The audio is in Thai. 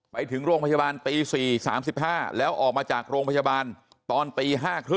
ไปถึงโรงพยาบาลตี๔๓๕แล้วออกมาจากโรงพยาบาลตอนตี๕๓๐